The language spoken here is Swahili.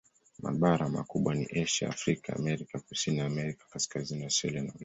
Mabara makubwa ni Asia, Afrika, Amerika Kusini na Amerika Kaskazini, Australia na Ulaya.